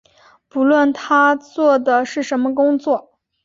不论他做的是什么工作